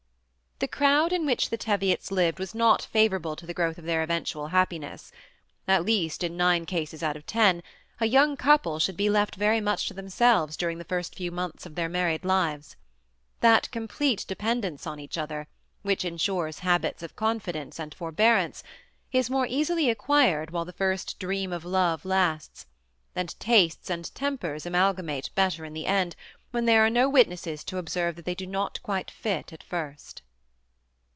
The crowd in which the Teviots lived was not & vorable to the growth of their eventual happiness : at least, in nine cases out of ten, a young couple should be left very much to themselves during the first few months of their married lives. That complete depend ence on each other, which insures habits of confidence and forbearance, is more easily acquired while the first dream of love lasts ; and tastes and tempers amalga ~Kr THE SEMI ATTACHED COUPLE. 143 mate better in the end, when there are no witnesses to observe that they do not quite fit at first.